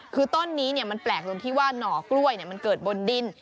คือต้นนี้มันแปลกตรงที่ว่าหน่อกล้วยมันเกิดบนดิน